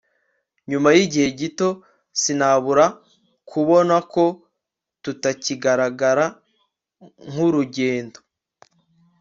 Nyuma yigihe gito sinabura kubona ko tutakigaragara nkurugendo